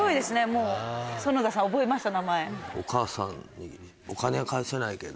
もう園田さん覚えました名前。